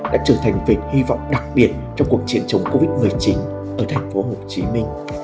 đã trở thành vịnh hy vọng đặc biệt trong cuộc chiến chống covid một mươi chín ở thành phố hồ chí minh